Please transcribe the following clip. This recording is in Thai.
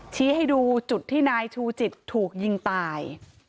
ชี้ให้ดูจุดที่นายชูจิตถูกยิงตาย